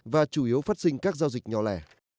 và chủ yếu phát sinh các giao dịch nhỏ lẻ